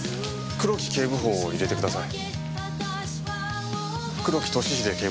黒木警部補を入れてください。